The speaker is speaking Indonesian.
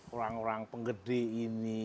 orang orang penggede ini